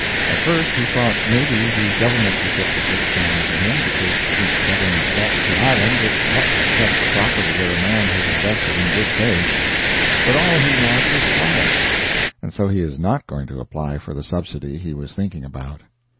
At first, he thought maybe the government would get the bricks down for him, because since government bought the island, it ought to protect the property where a man has invested in good faith; but all he wants is quiet, and so he is not going to apply for the subsidy he was thinking about.